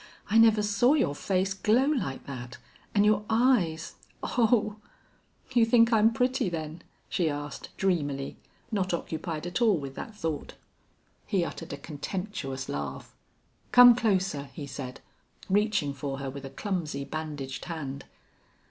I never saw your face glow like that. And your eyes oh!" "You think I'm pretty, then?" she asked, dreamily, not occupied at all with that thought. He uttered a contemptuous laugh. "Come closer," he said, reaching for her with a clumsy bandaged hand.